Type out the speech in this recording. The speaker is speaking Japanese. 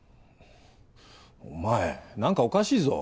お前何かおかしいぞ。